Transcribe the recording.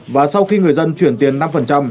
và sau khi người dân chuyển tiền năm